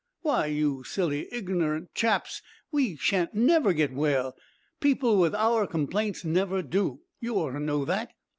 Why, you silly iggernerant chaps, we shan't never get well; people with our complaints never do. You ought to know that.'